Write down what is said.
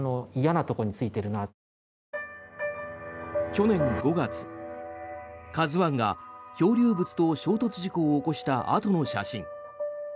去年５月、「ＫＡＺＵ１」が漂流物と衝突事故を起こしたあとの写真。